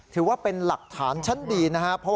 ถือว่าเป็นหลักฐานชั้นดีนะครับ